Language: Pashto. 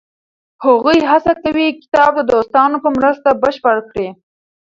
هغوی هڅه کوي کتاب د دوستانو په مرسته بشپړ کړي.